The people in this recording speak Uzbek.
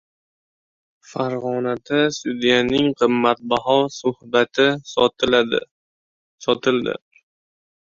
Farg‘onada sudyaning qimmatbaho shubasi sotildi